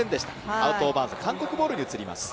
アウト・オブ・バウンズ、韓国にボールが移ります。